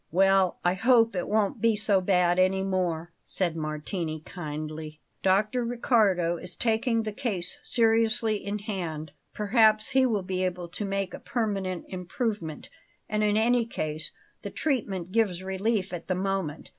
"Well, I hope it won't be so bad any more," said Martini kindly. "Dr. Riccardo is taking the case seriously in hand. Perhaps he will be able to make a permanent improvement. And, in any case, the treatment gives relief at the moment.